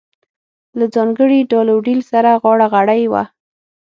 له ځانګړي ډال و ډیل سره غاړه غړۍ وه.